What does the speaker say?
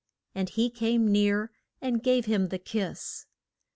And he came near, and gave him the kiss.